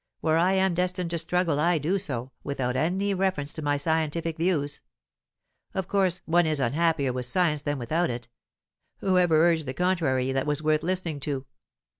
Where I am destined to struggle, I do so, without any reference to my scientific views. Of course, one is unhappier with science than without it. Who ever urged the contrary, that was worth listening to?